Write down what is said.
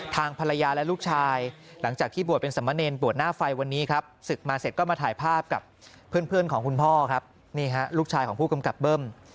ทางภรรยาและลูกชายหลังจากที่บวชเป็นสมเนรบวชหน้าไฟวันนี้ครับศึกมาเสร็จก็มาถ่ายภาพกับเพื่อนของคุณพ่อครับนี่ฮะลูกชายของผู้กำกับเบิ้ม